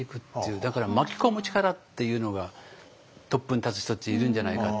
だから巻き込む力っていうのがトップに立つ人っているんじゃないかって。